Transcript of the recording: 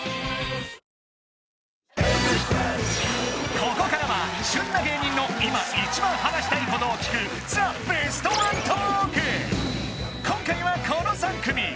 ここからは旬な芸人の今一番話したいことを聞く今回はこの３組！